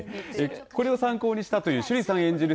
これを参考にしたという趣里さん演じる